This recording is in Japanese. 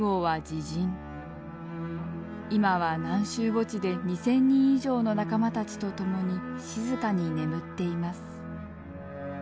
今は南洲墓地で２，０００人以上の仲間たちと共に静かに眠っています。